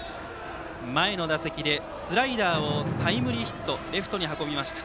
前の打席でスライダーをタイムリーヒットレフトへ運びました。